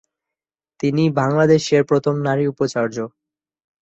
তিনি বাংলাদেশের প্রথম নারী উপাচার্য।